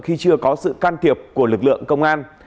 khi chưa có sự can thiệp của lực lượng công an